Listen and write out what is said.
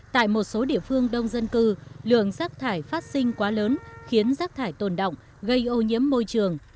tại một số địa phương đông dân cư lượng rác thải phát sinh quá lớn khiến rác thải tồn động gây ô nhiễm môi trường